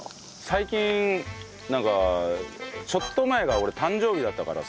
最近なんかちょっと前が俺誕生日だったからさ。